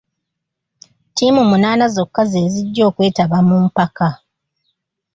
Ttiimu munaana zokka ze zijja okwetaba mu mpaka.